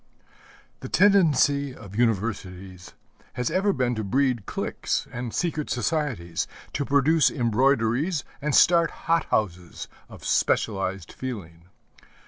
The tendency of universities has ever been to breed cliques and secret societies, to produce embroideries and start hothouses of specialized feeling.